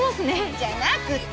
じゃなくて！